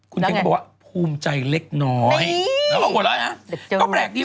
คุณเค้งก็บอกว่าภูมิใจเล็กน้อยแล้วบอกว่าอะไรนะก็แปลกดี